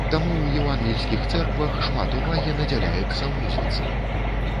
Таму ў евангельскіх цэрквах шмат увагі надзяляецца музыцы.